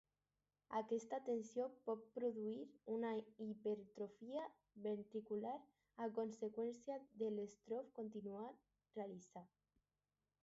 Aquesta tensió pot produir una hipertròfia ventricular a conseqüència de l'esforç continuat realitzat.